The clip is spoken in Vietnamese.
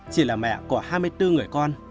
chị là mẹ có hai mươi bốn người con